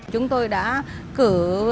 chúng tôi đã cử